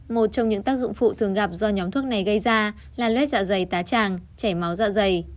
một trong những tác dụng phụ thường gặp do nhóm thuốc này gây ra là lét dạ dày tá tràng chảy máu dạ dày